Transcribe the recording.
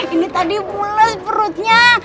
ini tadi pulas perutnya